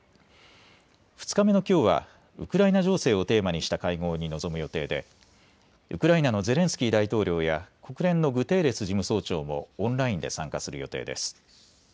２日目のきょうはウクライナ情勢をテーマにした会合に臨む予定でウクライナのゼレンスキー大統領や国連のグテーレス事務総長もオンラインで参加する予定です。